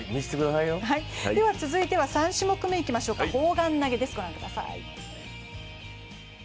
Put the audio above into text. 続いては３種目めいきましょうか砲丸投です、御覧ください。